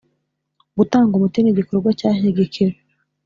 Gutanga umuti ni igikorwa cyashyigikiwe